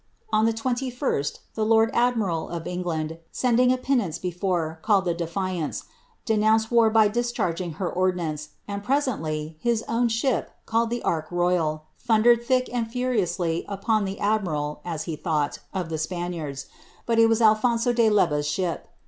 '' On the 2Ial, the lord admiral of England, seniliiig a pinnace before, called the "Defiance," denounced war by discharging her ordnancei and presently, his own ship, called the *^Ark Royal," thundered thick and furiously upon the admiral (as he thought) of the Spaniards, but ji was Alphonso de Leva's sliip.